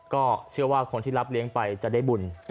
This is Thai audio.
ก็เชื่อว่าคนที่รับเลี้ยงไปจะได้บุญ